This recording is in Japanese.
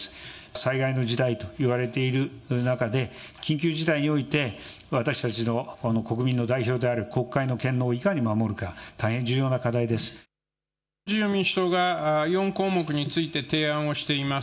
災害の時代といわれている中で、緊急事態において、私たちの国民の代表である国会の権能をいかに守るか、大変重要な自由民主党が４項目について提案をしています。